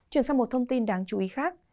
chuyển sang một thông tin đáng chú ý khác